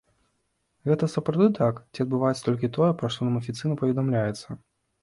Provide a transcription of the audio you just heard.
Гэта сапраўды так, ці адбываецца толькі тое, пра што нам афіцыйна паведамляецца?